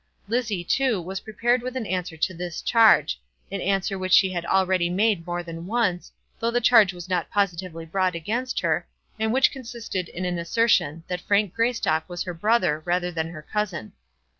Lizzie, too, was prepared with an answer to this charge, an answer which she had already made more than once, though the charge was not positively brought against her, and which consisted in an assertion that Frank Greystock was her brother rather than her cousin.